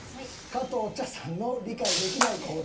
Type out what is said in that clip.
加藤茶さんの理解できない行動。